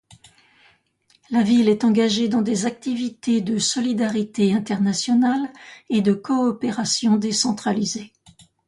La ville est engagée dans des activités de solidarité internationale et de coopération décentralisée.